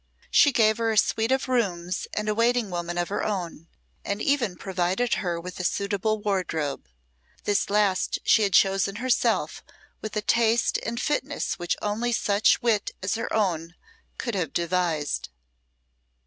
She gave her a suite of rooms and a waiting woman of her own, and even provided her with a suitable wardrobe. This last she had chosen herself with a taste and fitness which only such wit as her own could have devised.